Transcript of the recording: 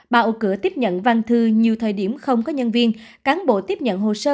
bào cửa tiếp nhận văn thư nhiều thời điểm không có nhân viên cán bộ tiếp nhận hồ sơ